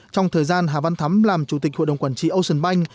trong thời gian hà văn thắm làm chủ tịch hội đồng quản trị ocean bank